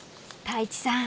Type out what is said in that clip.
［太一さん